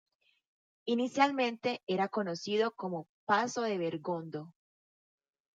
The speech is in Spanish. Inicialmente era conocido como "Pazo de Bergondo".